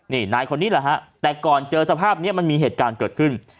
นี่นายคนนี้แหละฮะแต่ก่อนเจอสภาพนี้มันมีเหตุการณ์เกิดขึ้น